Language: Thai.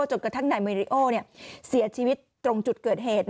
จนกระทั่งนายเมริโอเสียชีวิตตรงจุดเกิดเหตุ